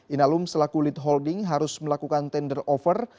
inalum selaku lead holding harus melakukan tender over